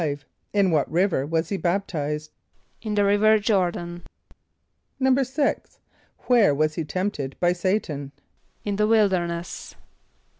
= In what river was he baptized? =In the river Jôr´dan.= =6.= Where was he tempted by S[=a]´tan? =In the wilderness.